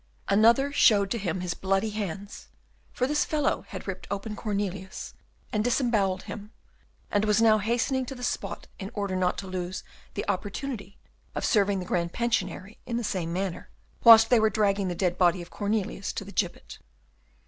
Another showed to him his bloody hands; for this fellow had ripped open Cornelius and disembowelled him, and was now hastening to the spot in order not to lose the opportunity of serving the Grand Pensionary in the same manner, whilst they were dragging the dead body of Cornelius to the gibbet.